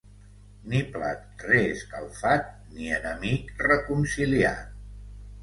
Ni plat reescalfat, ni enemic reconciliat.